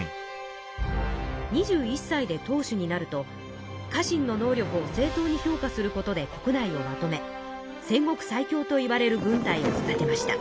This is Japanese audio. ２１さいで当主になると家臣の能力を正当に評価することで国内をまとめ戦国最強といわれる軍隊を育てました。